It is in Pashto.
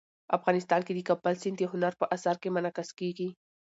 افغانستان کې د کابل سیند د هنر په اثار کې منعکس کېږي.